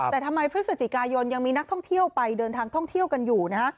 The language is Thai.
แต่ทำไมพฤศจิกายนยังมีนักท่องเที่ยวไปเดินทางท่องเที่ยวกันอยู่นะฮะ